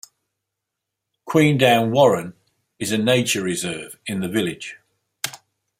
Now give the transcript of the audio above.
Queendown Warren is a nature reserve in the village.